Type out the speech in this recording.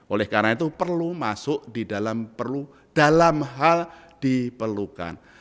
oleh karena itu perlu masuk di dalam perlu dalam hal diperlukan